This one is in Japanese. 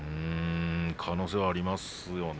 可能性はありますよね。